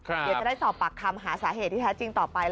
เดี๋ยวจะได้สอบปากคำหาสาเหตุที่แท้จริงต่อไป